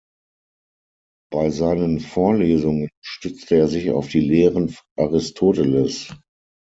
Bei seinen Vorlesungen stützte er sich auf die Lehren Aristoteles.